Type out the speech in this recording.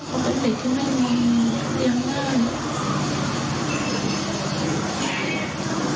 เขาเป็นเด็กที่ไม่มีเรียงงาน